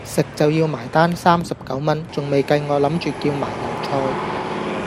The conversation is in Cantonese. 食就要埋單三十九蚊,仲未計我諗住叫埋油菜